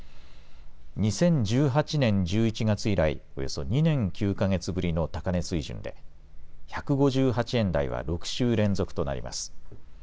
２０１８年１１月以来、およそ２年９か月ぶりの高値水準で、１５８円台は６週連続となります。